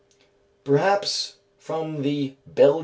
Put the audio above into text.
Perhaps from the Belg.